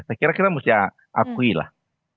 saya kira kira mesti akuilah